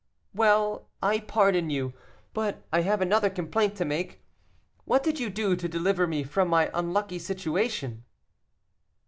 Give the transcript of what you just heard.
"Well, I pardon you. But I have another complaint to make. What did you do to deliver me from my unlucky situation?"